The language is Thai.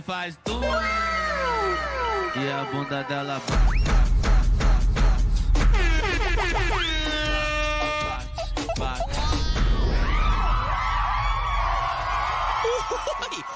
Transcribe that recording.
ไฟส์ตู้ว้าวที่อาบุญดาเดลล่ะ